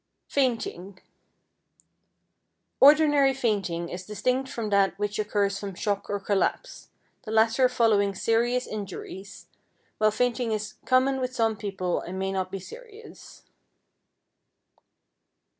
Fainting Ordinary fainting is distinct from that which occurs from shock or collapse, the latter following serious injuries, while fainting is common with some people, and may not be serious.